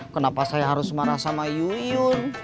kenapa saya harus marah sama yuyun